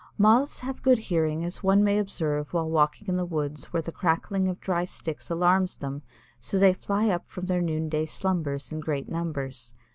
Moths have good hearing as one may observe while walking in the woods where the crackling of dry sticks alarms them so they fly up from their noonday slumbers in great numbers.